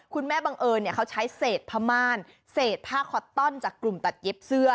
บังเอิญเขาใช้เศษผ้าม่านเศษผ้าคอตตอนจากกลุ่มตัดเย็บเสื้อ